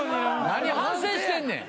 何反省してんねん。